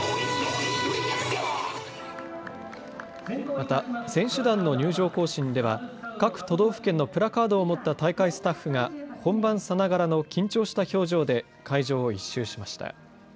また、選手団の入場行進では各都道府県のプラカードを持った大会スタッフが、本番さながらの緊張した表情で会場を一周しました。